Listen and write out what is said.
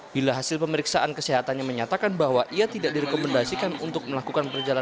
bila hasil pemeriksaan kesehatannya menyatakan bahwa ia tidak direkomendasikan untuk melakukan perjalanan